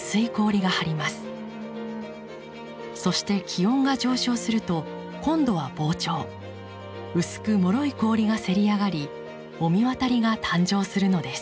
そして気温が上昇すると今度は膨張。薄くもろい氷がせり上がり御神渡りが誕生するのです。